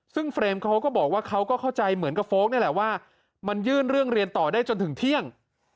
ซึ่งเฟรมเขาก็บอกว่าเขาก็เข้าใจเหมือนกับโฟลกนี่แหละว่ามันยื่นเรื่องเรียนต่อได้จนถึงเที่ยง